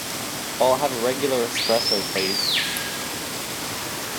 I'll have a regular Espresso please.